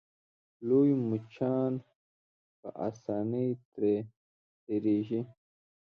لوی مچان په اسانۍ ترې تېرېږي.